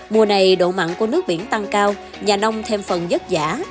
mùa này độ mặn của nước biển tăng cao nhà nông thêm phần dất giả